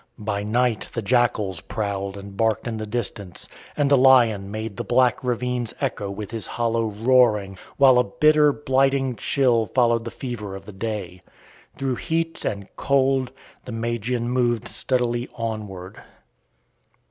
By night the jackals prowled and barked in the distance, and the lion made the black ravines echo with his hollow roaring, while a bitter, blighting chill followed the fever of the day. Through heat and cold, the Magian moved steadily onward.